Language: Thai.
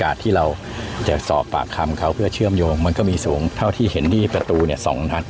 หาที่เราจะสอบปากคำข้าวไปเชื่อมโยงมันก็มีสูงของเท่าที่เห็นได้ตรงเนี่ยสองนัดนะครับ